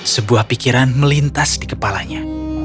sebuah pikiran melintas di kepalanya